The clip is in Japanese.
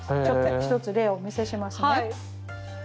ちょっと一つ例をお見せしますね。